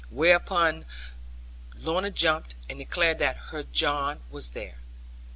Whereupon up jumped Lorna, and declared that her John was there.